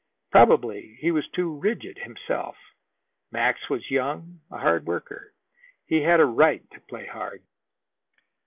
Probably he was too rigid himself. Max was young, a hard worker. He had a right to play hard.